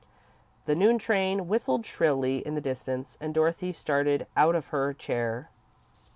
The noon train whistled shrilly in the distance, and Dorothy started out of her chair.